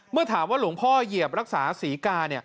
เมื่อถามว่าหลวงพ่อเหยียบรักษาศรีกา